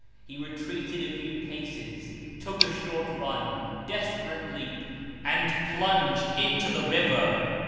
He retreated a few paces, took a short run, desperate leap, and plunged into the river.